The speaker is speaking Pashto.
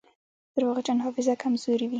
د درواغجن حافظه کمزورې وي.